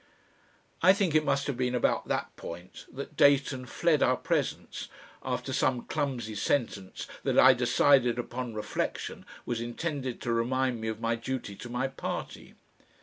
I think it must have been about that point that Dayton fled our presence, after some clumsy sentence that I decided upon reflection was intended to remind me of my duty to my party.